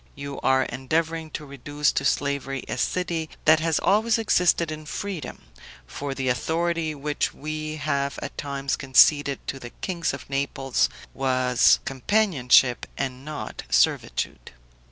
You are endeavoring to reduce to slavery a city that has always existed in freedom; for the authority which we have at times conceded to the kings of Naples was companionship and not servitude.